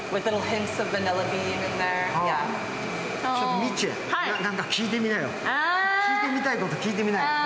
みちゅ、聞いてみたいこと聞いてみなよ。